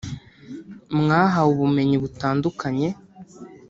“Mwahawe ubumenyi butandukanye